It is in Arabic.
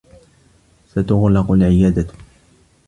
ستُغلق العيادة.